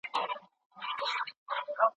له یوې ماتې کړکۍ